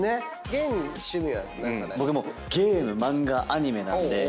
僕もうゲーム漫画アニメなんで。